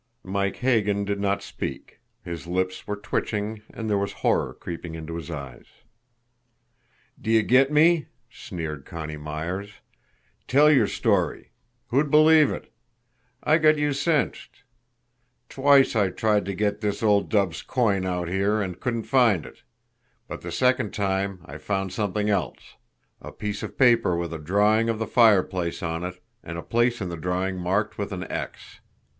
Mike Hagan did not speak his lips were twitching, and there was horror creeping into his eyes. "D'ye get me!" sneered Connie Myers. "Tell your story who'd believe it! I got you cinched. Twice I tried to get this old dub's coin out here, and couldn't find it. But the second time I found something else a piece of paper with a drawing of the fireplace on it, and a place in the drawing marked with an X.